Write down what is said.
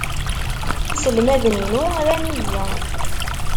Iselmaden-inu ran-iyi.